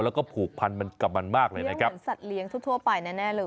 แล้วก็ผูกพันมันกับมันมากเลยนะครับเหมือนสัตว์เลี้ยงทั่วไปแน่เลย